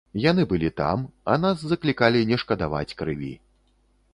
Яны былі там, а нас заклікалі не шкадаваць крыві.